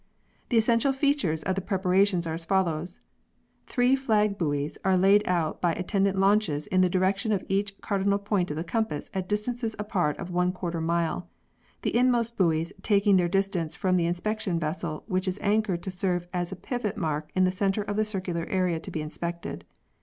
The essential features of the preparations are as follows : Three flag buoys are laid out by attendant launches in the direction of each cardinal point of the compass, at distances apart of J mile, the inmost buoys taking their dis tance from the inspection vessel, which is anchored to serve as a pivot mark in the centre of the circular area to be inspected.